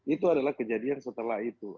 itu adalah kejadian setelah itu